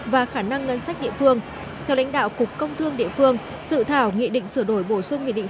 và khả năng ngân sách địa phương theo lãnh đạo cục công thương địa phương dự thảo nghị định sửa đổi bổ sung nghị định sáu mươi tám